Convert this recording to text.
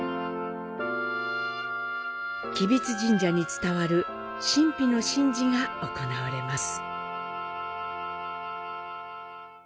吉備津神社に伝わる神秘の神事が行われます。